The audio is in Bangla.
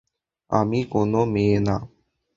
আমি কোনো মেয়ে না!